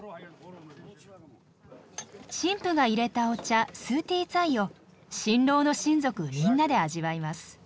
新婦がいれたお茶スーティーツァイを新郎の親族みんなで味わいます。